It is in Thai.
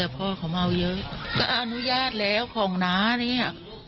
ก็กินกันอยู่อย่างนี้